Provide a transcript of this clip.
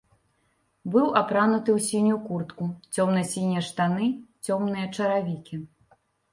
Быў апрануты ў сінюю куртку, цёмна-сінія штаны, цёмныя чаравікі.